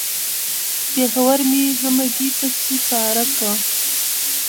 پېښور مې همګي پسې پره کا.